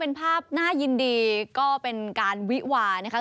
เป็นภาพน่ายินดีก็เป็นการวิวานะคะ